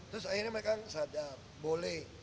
terus akhirnya mereka sadar boleh